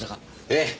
ええ。